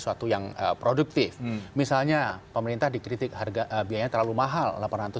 suatu yang produktif misalnya pemerintah dikritik harga biayanya terlalu mahal